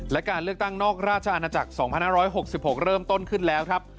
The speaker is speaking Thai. และการเลือกตั้งนอกราชอาณาจักร๒๕๖๖เริ่มต้นขึ้นแล้วครับ